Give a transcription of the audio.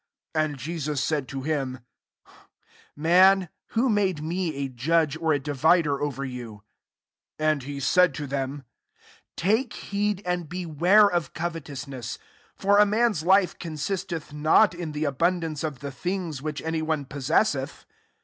14 And Jesus said to him, " Man, who made me a judge or a divider over you ?" 15 And he said to them, " Take heed and beware of covetousness : for a man's life consisteth not in the abun dance of the things which any one possesseth."